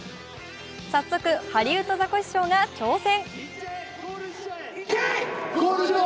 早速、ハリウッドザコシショウが挑戦。